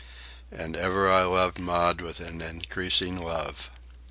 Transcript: And ever I loved Maud with an increasing love.